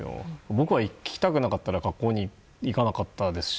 僕は行きたくなかったら学校に行かなかったですし